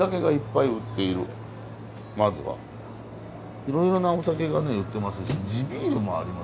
いろいろなお酒がね売ってますし地ビールもありますねこれね。